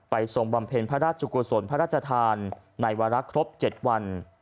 ทรงบำเพ็ญพระราชกุศลพระราชทานในวาระครบ๗วัน